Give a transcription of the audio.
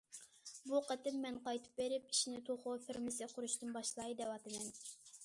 بۇ قېتىم مەن قايتىپ بېرىپ، ئىشنى توخۇ فېرمىسى قۇرۇشتىن باشلاي دەۋاتىمەن.